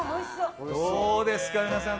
どうですか、皆さん。